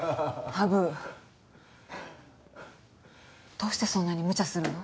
どうしてそんなにむちゃするの？